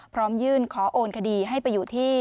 พร้อมยื่นขอโอนคดีให้ไปอยู่ที่